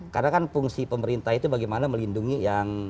karena kan fungsi pemerintah itu bagaimana melindungi yang